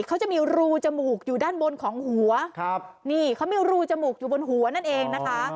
เขาจะมีรูจมูกอยู่ด้านบนของหัวครับนี่เขามีรูจมูกอยู่บนหัวนั่นเองนะคะ